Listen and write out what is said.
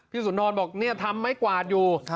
สุนทรบอกเนี่ยทำไม้กวาดอยู่